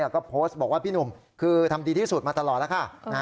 ก็โพสต์บอกว่าพี่หนุ่มคือทำดีที่สุดมาตลอดแล้วค่ะ